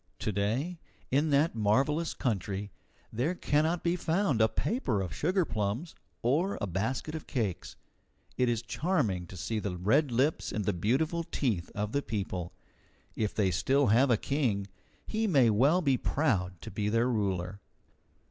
To day, in that marvellous country, there cannot be found a paper of sugarplums or a basket of cakes. It is charming to see the red lips and the beautiful teeth of the people. If they have still a king, he may well be proud to be their ruler.